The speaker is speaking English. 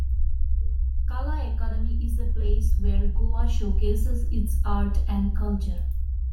Kala Academy is a place where Goa showcases its art and culture.